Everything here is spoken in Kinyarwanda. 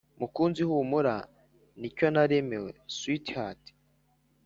mukunzi humura nicyo naremewe sweet heart